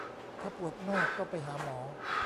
ถ้าปวดมากก็ไปหาหมอ